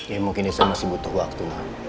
ya mungkin dia masih butuh waktu